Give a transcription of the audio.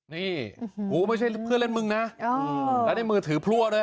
นี่กูไม่ใช่เพื่อนเล่นมึงนะแล้วในมือถือพลั่วด้วย